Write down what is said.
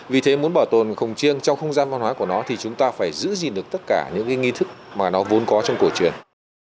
vì thế muốn bảo tồn cổng chiêng trong không gian văn hóa của nó thì chúng ta phải giữ gìn được tất cả những nghi thức mà nó vốn có trong cổ truyền